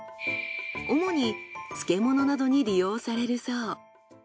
主に漬物などに利用されるそう。